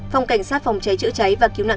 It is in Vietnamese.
phòng cảnh sát phòng cháy chữa cháy và cứu nạn